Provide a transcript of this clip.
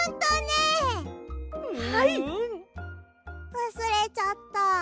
わすれちゃった。